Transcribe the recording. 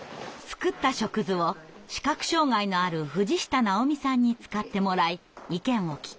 作った触図を視覚障害のある藤下直美さんに使ってもらい意見を聞きます。